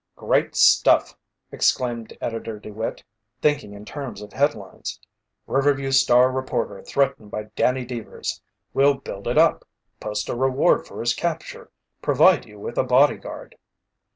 "Great stuff!" exclaimed Editor DeWitt, thinking in terms of headlines. "Riverview Star reporter threatened by Danny Deevers! We'll build it up post a reward for his capture provide you with a bodyguard."